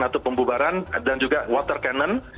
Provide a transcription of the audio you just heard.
atau pembubaran dan juga water cannon